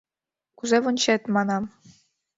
— Кузе вончет? — манам.